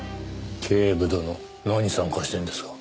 警部殿何参加してるんですか？